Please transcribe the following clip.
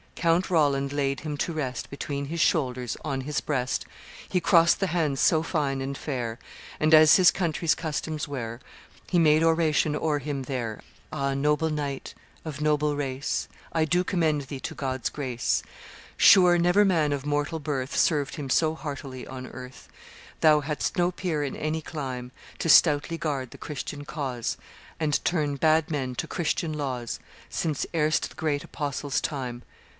Count Roland laid him to his rest Between his shoulders, on his breast, He crossed the hands so fine and fair, And, as his country's customs were, He made oration o'er him there 'Ah! noble knight, of noble race, I do commend thee to God's grace Sure never man of mortal birth Served Him so heartily on earth. Thou hadst no peer in any clime To stoutly guard the Christian cause And turn bad men to Christian laws, Since erst the great Apostles' time.